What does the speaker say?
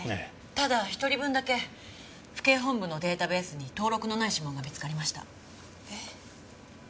ただ１人分だけ府警本部のデータベースに登録のない指紋が見つかりました。え？